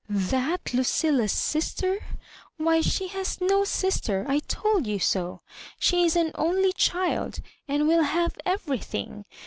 " That Lucilla's sister I — why, she has no sis ter; I told you so; she is an only child,, and will have everything.